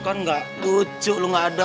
kan nggak lucu lu gak ada